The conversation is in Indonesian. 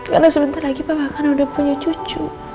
karena sebentar lagi papa akan udah punya cucu